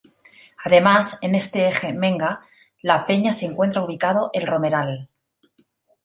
Además, en este eje Menga-La Peña se encuentra ubicado El Romeral.